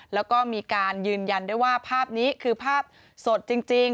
แล้วก็มีการยืนยันได้ว่าภาพนี้คือภาพสดจริง